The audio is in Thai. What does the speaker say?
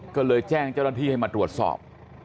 ก็เลยแจ้งเจ้าหน้าที่ให้มาตรวจสอบ